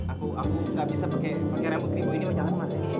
aku aku nggak bisa pakai remut keribu ini mah jangan mah